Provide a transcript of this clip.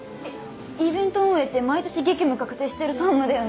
イベント運営って毎年激務確定してる担務だよね？